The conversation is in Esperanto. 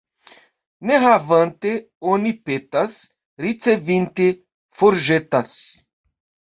Ne havante, oni petas; ricevinte, forĵetas.